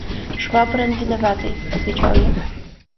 – Швабрин виноватый, – отвечал я.